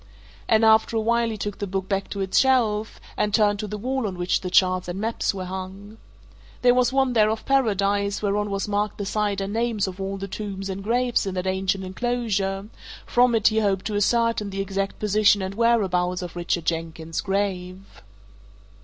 And after a while he took the book back to its shelf, and turned to the wall on which the charts and maps were hung. There was one there of Paradise, whereon was marked the site and names of all the tombs and graves in that ancient enclosure; from it he hoped to ascertain the exact position and whereabouts of Richard Jenkins's grave.